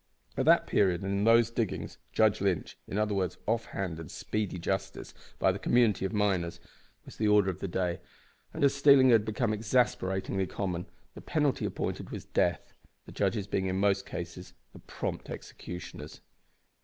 At that period and in those diggings Judge Lynch in other words, off hand and speedy "justice" by the community of miners was the order of the day, and, as stealing had become exasperatingly common, the penalty appointed was death, the judges being, in most cases, the prompt executioners.